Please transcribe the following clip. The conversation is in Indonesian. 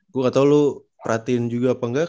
gue gak tau lu perhatiin juga apa enggak